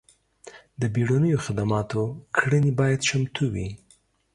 د بیړنیو خدماتو کړنې باید چمتو وي.